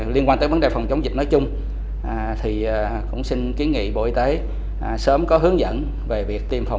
liên quan tới vấn đề phòng chống dịch nói chung thì cũng xin kiến nghị bộ y tế sớm có hướng dẫn về việc tiêm phòng